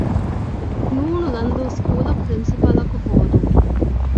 ނ. ލަންދޫ ސްކޫލަށް ޕްރިންސިޕަލަކު ހޯދުން